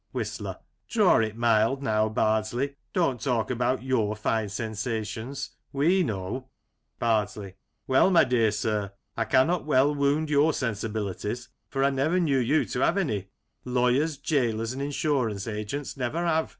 Whistler : Draw it mild now, Bardsley ; don't talk about your fine sensations ; we know — Bardsley : Well, my dear sir, I cannot well wound your sensibilities, for I never knew you to have any — ^lawyers, gaolers and insurance agents never have.